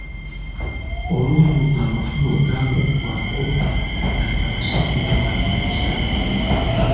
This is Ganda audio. Olumu amafumu bwe gaamuggwaako n'aga basajja be ng'alwanyisa Abanyoro.